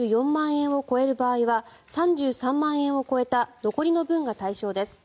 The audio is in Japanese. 円を超える場合は３３万円を超えた残りの分が対象です。